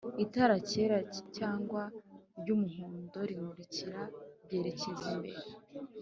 itara ryera cyangwa ry'umuhondo rimurika ryerekeza imbere